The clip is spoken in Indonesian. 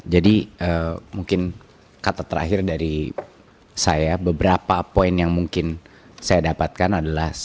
jadi mungkin kata terakhir dari saya beberapa poin yang mungkin saya dapatkan adalah